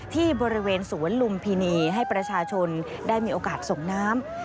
ที่บริเวณสวนลุมพินีให้ประชาชนได้มีโอกาสส่งน้ำ